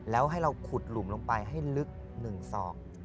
แล้วให้เราขุดหลุมลงไปให้ลึก๑ศอก